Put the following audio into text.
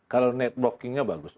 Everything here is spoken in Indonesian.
kalau networkingnya bagus